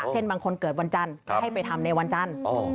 เช่นบางคนเกิดวันจันทร์ก็ให้ไปทำในวันจันทร์